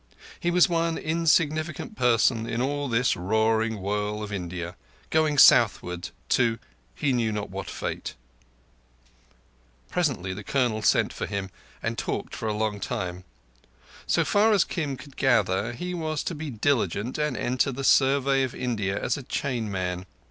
He was one insignificant person in all this roaring whirl of India, going southward to he knew not what fate. Presently the Colonel sent for him, and talked for a long time. So far as Kim could gather, he was to be diligent and enter the Survey of India as a chain man.